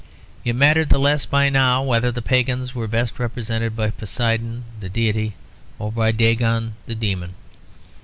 It mattered the less by now whether the pagans were best represented by Poseidon the deity or by Dagon the demon.